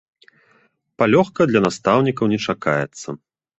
Палёгка для настаўнікаў не чакаецца.